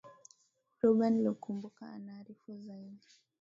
ruben lukumbuka anaarifu zaidi